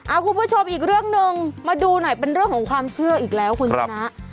คุณผู้ชมอีกเรื่องหนึ่งมาดูหน่อยเป็นเรื่องของความเชื่ออีกแล้วคุณชนะ